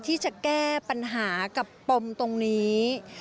ที่จะแก้ปัญหากับปมตรงนี้